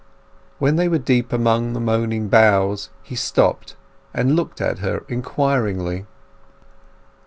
When they were deep among the moaning boughs he stopped and looked at her inquiringly.